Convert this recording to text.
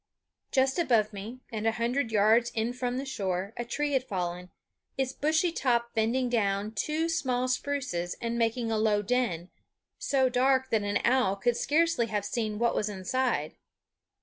Just above me, and a hundred yards in from the shore, a tree had fallen, its bushy top bending down two small spruces and making a low den, so dark that an owl could scarcely have seen what was inside.